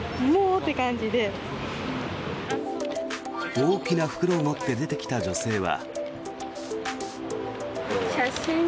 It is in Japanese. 大きな袋を持って出てきた女性は。